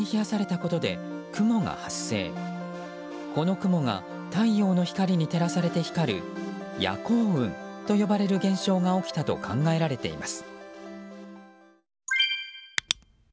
この雲が太陽の光に照らされて光る夜光雲と呼ばれる現象が起きたと考えられています。